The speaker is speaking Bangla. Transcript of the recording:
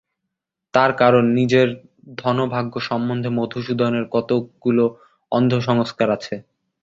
তার কারণ, নিজের ধনভাগ্য সম্বন্ধে মধুসূদনের কতকগুলো অন্ধ সংস্কার আছে।